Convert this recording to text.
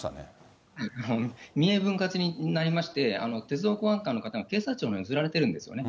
民営分割になりまして、鉄道保安官っていうのは、警察庁に送られてるんですよね。